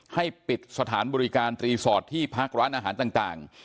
ให้ปิดสถานบริการรีสอร์ทที่พักร้านอาหารต่าง